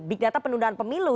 big data penundaan pemilu